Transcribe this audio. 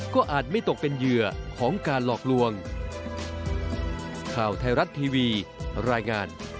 ก็อาจไม่ตกเป็นเหยื่อของการหลอกลวง